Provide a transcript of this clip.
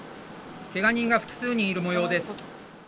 けが人が複数人いるもようです。